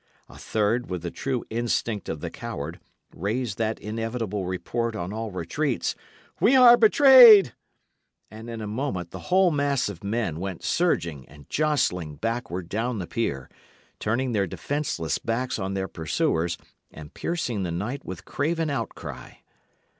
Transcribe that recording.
A third, with the true instinct of the coward, raised that inevitable report on all retreats: "We are betrayed!" And in a moment the whole mass of men went surging and jostling backward down the pier, turning their defenceless backs on their pursuers and piercing the night with craven outcry.